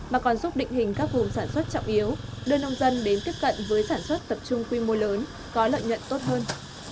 mà còn giúp định hình các vùng sản xuất trọng yếu đưa nông dân đến tiếp cận với sản xuất tập trung quy mô lớn có lợi nhuận tốt hơn